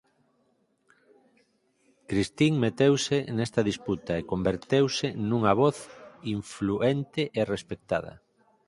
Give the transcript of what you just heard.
Christine meteuse nesta disputa e converteuse nunha voz influente e respectada.